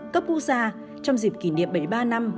cấp quốc gia trong dịp kỷ niệm bảy mươi ba năm